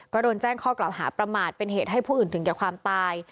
ก็โดนแจ้งข้อกล่าวหาประมาทเป็นเหตุให้ผู้อื่นถึงแก่ความตาย